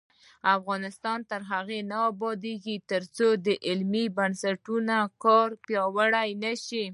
افغانستان تر هغو نه ابادیږي، ترڅو د علمي بنسټونو کار پیاوړی نشي.